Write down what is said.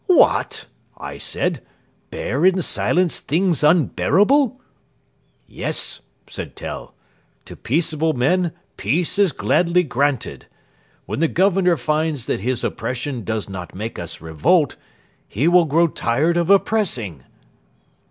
"'What!' I said; 'bear in silence things unbearable?' "'Yes,' said Tell; 'to peaceable men peace is gladly granted. When the Governor finds that his oppression does not make us revolt, he will grow tired of oppressing.'"